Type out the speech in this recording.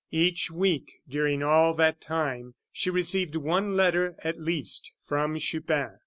Each week during all that time she received one letter, at least, from Chupin.